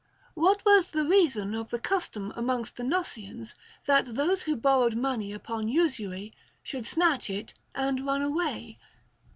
What was the reason of the custom amongst the Gnossians, that those who borrowed money upon usury should snatch it and run away